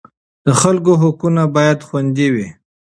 د خلکو حقونه باید خوندي وي.